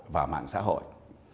và mạng xã hội